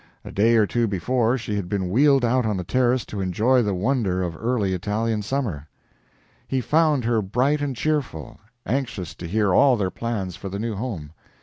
A day or two before she had been wheeled out on the terrace to enjoy the wonder of early Italian summer. He found her bright and cheerful, anxious to hear all their plans for the new home.